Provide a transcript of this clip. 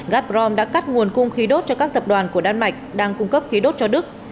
gatrom đã cắt nguồn cung khí đốt cho các tập đoàn của đan mạch đang cung cấp khí đốt cho đức